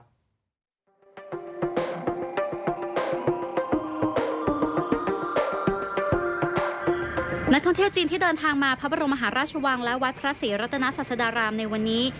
นักท่องเที่ยวจีนที่เดินทางมาพระบรมมหาราชวังและวัดพระศรีรัตนาศาสดารามในวันนี้